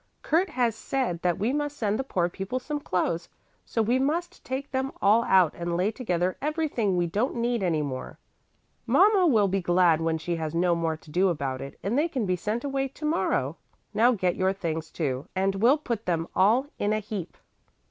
"Kurt has said that we must send the poor people some clothes, so we must take them all out and lay together everything we don't need any more. Mama will be glad when she has no more to do about it and they can be sent away to morrow. Now get your things, too, and we'll put them all in a heap."